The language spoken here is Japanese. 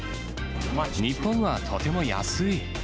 日本はとても安い。